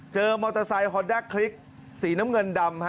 เจอมอเตอร์ไซค์ฮอร์ด้าคลิกสีน้ำเงินดำ